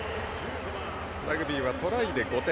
ラグビーはトライで５点。